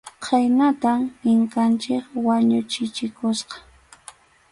Khaynatam Inkanchik wañuchichikusqa.